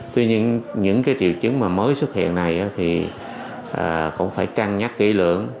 tuy nhiên những triệu chứng mới xuất hiện này thì cũng phải trang nhắc kỹ lưỡng